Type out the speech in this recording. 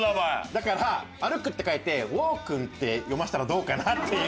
だから「歩」って書いて「ウォー」くんって読ませたらどうかなっていう。